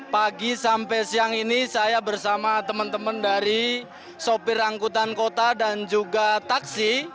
pagi sampai siang ini saya bersama teman teman dari sopir angkutan kota dan juga taksi